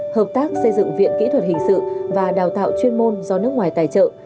hợp tác xây dựng viện kỹ thuật hình sự và đào tạo chuyên môn do nước ngoài tài trợ